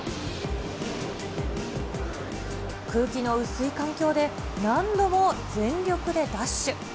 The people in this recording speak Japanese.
空気の薄い環境で、何度も全力でダッシュ。